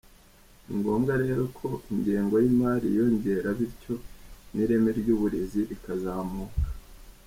Ni ngombwa rero ko ingengo y’imari yiyongera bityo n’ireme ry’uburezi rikazamuka”.